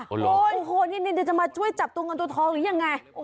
โอ้โหนี่เดี๋ยวจะมาช่วยจับตัวเงินตัวทองหรือยังไง